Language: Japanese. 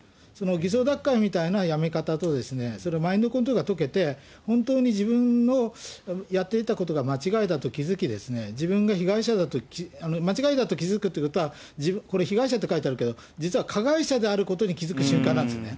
偽装脱会みたいな辞め方と、マインドコントロールが解けて、本当に自分のやっていたことが間違いだと気付き、自分が被害者だと、間違いだと気付くことは、これ、被害者って書いてあるけど、実は加害者であることに気付く瞬間なんですね。